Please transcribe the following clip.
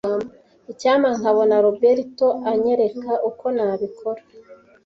Icyampa nkabona Rubereto anyereka uko nabikora.